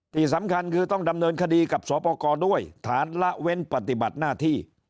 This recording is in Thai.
ที่สำคัญคือต้องดำเนินคดีกับสวปกรด้วยฐานละเว้นปฏิบัติหน้าที่